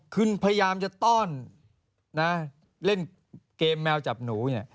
คุณพยายามต้นเล่นเกมแมวจับหนู